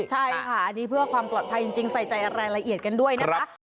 ใช่ค่ะอันนี้เพื่อความปลอดภัยจริงใส่ใจรายละเอียดกันด้วยนะคะ